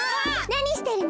なにしてるの？